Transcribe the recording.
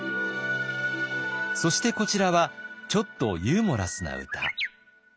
そしてこちらはちょっとユーモラスな歌。